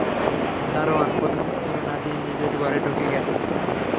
দারোয়ান কোনো উত্তর না-দিয়ে নিজের ঘরে ঢুকে গেল।